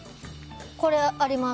これ、あります。